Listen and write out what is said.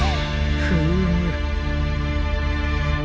フーム。